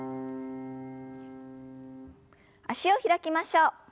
脚を開きましょう。